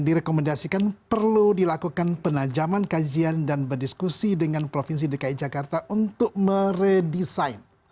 direkomendasikan perlu dilakukan penajaman kajian dan berdiskusi dengan pulau yang berbeda